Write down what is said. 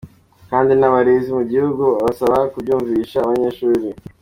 Kandi n’abarezi mu gihugu abasaba kubyumvisha abanyeshuri.